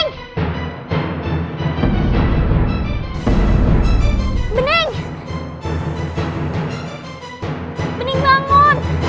kamu beruntung banget